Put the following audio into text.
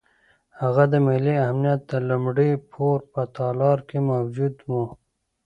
هغه د ملي امنیت د لومړي پوړ په تالار کې موجود وو.